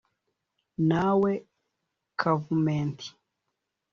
Na we Kavumenti